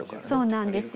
そうなんですよ。